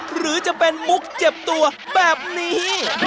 หรือจะเป็นมุกเจ็บตัวแบบนี้